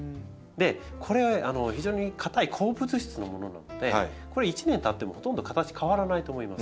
これ非常に硬い鉱物質のものなのでこれ１年たってもほとんど形変わらないと思います。